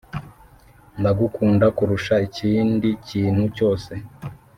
Ndagukunda kurusha ikindi kintu cyose